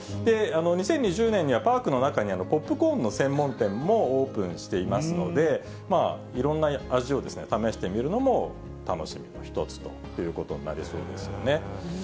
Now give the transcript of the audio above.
２０２０年にはパークの中にポップコーンの専門店もオープンしていますので、いろんな味を試してみるのも楽しみの一つということになりそうですよね。